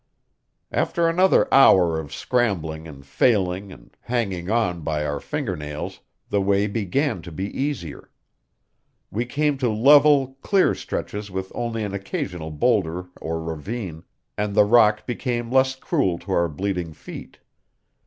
After another hour of scrambling and failing and hanging on by our finger nails, the way began to be easier. We came to level, clear stretches with only an occasional boulder or ravine, and the rock became less cruel to our bleeding feet.